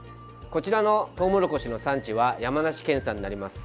こちらのトウモロコシの産地は山梨県産になります。